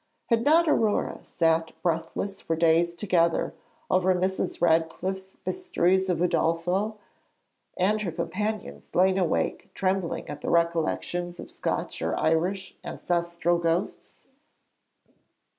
Had not Aurore sat breathless for days together over Mrs. Radcliffe's Mysteries of Udolpho, and her companions lain awake trembling at the recollections of Scotch or Irish ancestral ghosts?